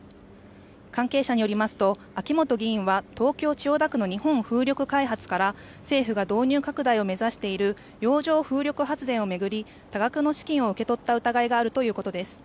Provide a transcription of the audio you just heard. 関係者によりますと秋本議員は東京・千代田区の日本風力開発から政府が導入拡大を目指している洋上風力発電を巡り多額の資金を受け取った疑いがあるということです。